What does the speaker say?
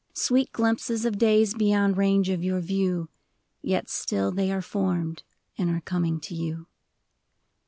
Sweet glimpses of days beyond range of your view« Yet still they are formed, and are coming to you.